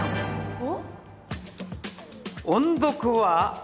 おっ？